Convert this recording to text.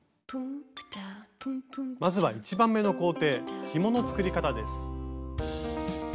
まずは１番目の行程ひもの作り方です。